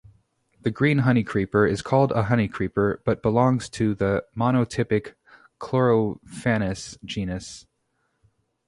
The green honeycreeper is called a honeycreeper, but belongs to the monotypic "Chlorophanes" genus.